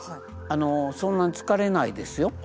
あのそんなに疲れないですよ。